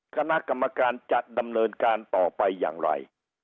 คณะกรรมการจะดำเนินการต่อไปอย่างไร